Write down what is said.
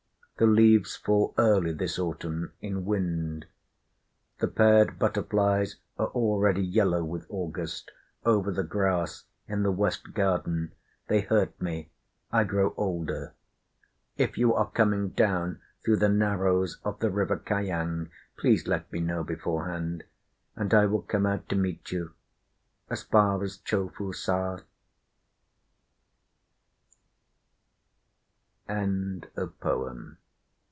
The leaves fall early this autumn, in wind. The paired butterflies are already yellow with August Over the grass in the West garden, They hurt me, I grow older, If you are coming down through the narrows of the river Kiang, Please let me know beforehand, And I will come out to meet you, As far as Cho fu Sa. _By Rihaku.